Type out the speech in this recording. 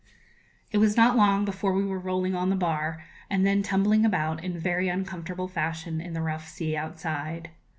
It was not long before we were rolling on the bar, and then tumbling about in very uncomfortable fashion in the rough sea outside.